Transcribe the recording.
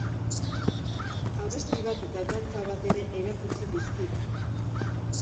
Abesti bat eta dantza bat ere erakutsi dizkigu.